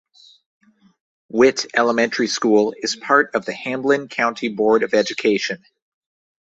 Witt Elementary School is part of the Hamblen County Board of Education.